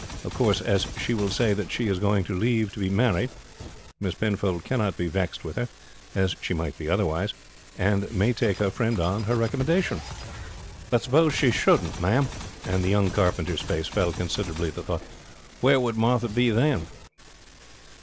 Of course as she will say that she is going to leave to be married, Miss Penfold cannot be vexed with her, as she might be otherwise, and may take her friend on her recommendation." "But suppose she shouldn't, ma'am," and the young carpenter's face fell considerably at the thought, "where would Martha be then?"